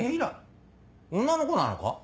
女の子なのか？